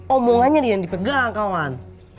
omongannya nih yang dipegang kawan